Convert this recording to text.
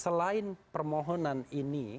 selain permohonan ini